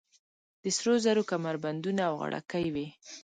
د سرو زرو کمربندونه او غاړکۍ وې